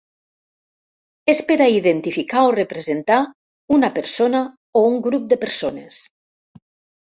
És per a identificar o representar una persona o un grup de persones.